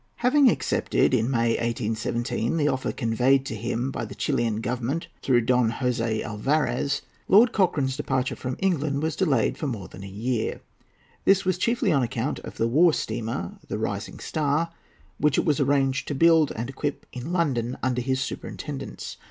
] Having accepted, in May, 1817, the offer conveyed to him by the Chilian Government through Don Jose Alvarez, Lord Cochrane's departure from England was delayed for more than a year. This was chiefly on account of the war steamer, the Rising Star, which it was arranged to build and equip in London under his superintendence.